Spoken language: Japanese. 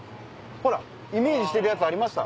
イメージしてるやつありました。